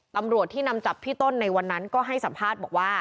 ตำรวจที่นำจับพี่ต้นในวันนั้นก็ให้สัมภาษณ์บอกว่า